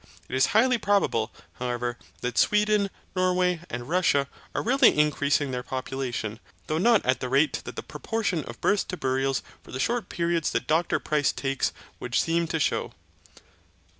It is highly probable, however, that Sweden, Norway, and Russia, are really increasing their population, though not at the rate that the proportion of births to burials for the short periods that Dr Price takes would seem to shew.